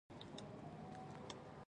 همت خپله دفاع کوي.